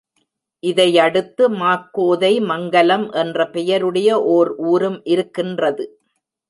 இதையடுத்து மாக்கோதை மங்கலம் என்ற பெயருடைய ஒர் ஊரும் இருக்கின்றது.